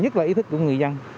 đó là ý thức của người dân